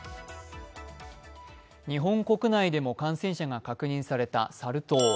日本国内でも感染者が確認されたサル痘。